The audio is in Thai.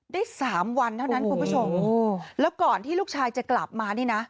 ได้สามวันเท่านั้นคุณผู้ชมแล้วก่อนที่ลูกชายจะกลับมานี่นะ